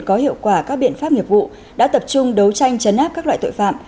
có hiệu quả các biện pháp nghiệp vụ đã tập trung đấu tranh chấn áp các loại tội phạm